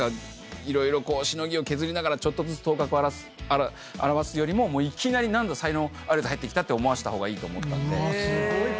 色々しのぎを削りながらちょっとずつ頭角を現すよりもいきなり才能あるやつ入ってきたって思わせた方がいいと思ったんで。